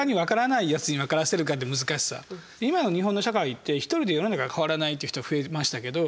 今の日本の社会って「一人では世の中変わらない」っていう人増えましたけど